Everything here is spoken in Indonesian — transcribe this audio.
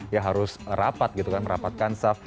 ya harus rapat gitu kan merapatkan saf